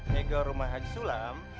njegel rumah haji sulam